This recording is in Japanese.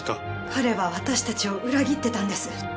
彼は私たちを裏切ってたんです。